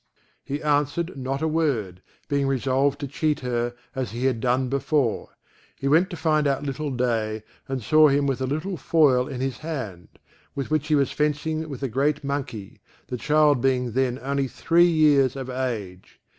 He answered not a word, being resolved to cheat her, as he had done before. He went to find out little Day, and saw him with a little foil in his hand, with which he was fencing with a great monkey; the child being then only three years of age.